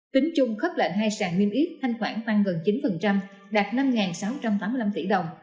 tính chung khớp lệnh hai sàn nguyên ít thanh khoản tăng gần chín đạt năm sáu trăm tám mươi năm tỷ đồng